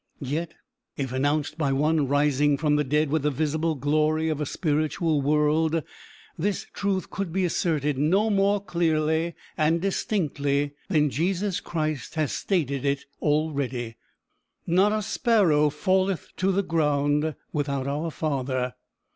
Yet, if announced by one rising from the dead with the visible glory of a spiritual world, this truth could be asserted no more clearly and distinctly than Jesus Christ has stated it already. Not a sparrow falleth to the ground without our Father.